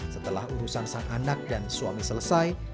setelah urusan sang anak dan suami selesai